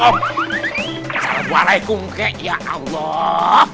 assalamualaikum ya allah